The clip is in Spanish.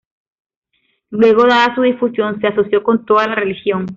Luego, dada su difusión, se asoció con toda la región.